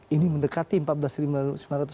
ini mendekati empat belas sembilan ratus pak harto